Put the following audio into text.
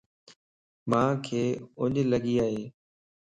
مانکَ اُنڃ لڳي ائي